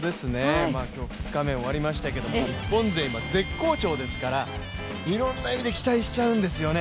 今日２日目終わりましたけど日本勢絶好調ですから、いろんな意味で期待しちゃうんですよね。